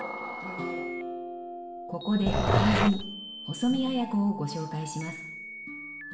ここで俳人細見綾子をご紹介します。